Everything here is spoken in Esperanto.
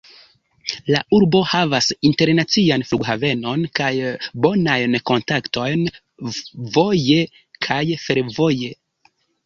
La urbo havas internacian flughavenon kaj bonajn kontaktojn voje kaj fervoje.